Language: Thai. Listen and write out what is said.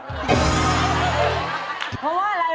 ที่พอจับกีต้าร์ปุ๊บ